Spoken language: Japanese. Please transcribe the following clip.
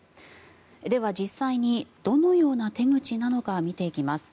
では実際にどのような手口なのか見ていきます。